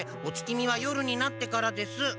お月見は夜になってからです！